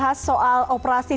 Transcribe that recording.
harus ada operasi yang